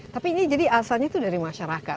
tapi ini jadi asalnya itu dari masyarakat